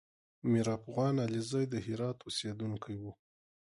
میرافغان علیزی د هرات اوسېدونکی و